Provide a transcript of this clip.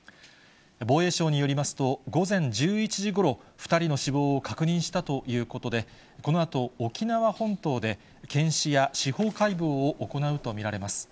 防衛省によりますと、午前１１時ごろ、２人の死亡を確認したということで、このあと、沖縄本島で、検視や司法解剖を行うと見られます。